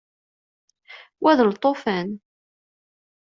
Wa d lṭufan.